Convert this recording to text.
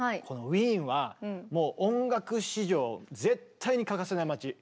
このウィーンはもう音楽史上絶対に欠かせない街。